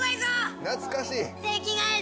懐かしい！